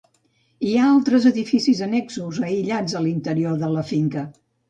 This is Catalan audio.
Hi ha altres edificis annexos aïllats a l'interior de la finca.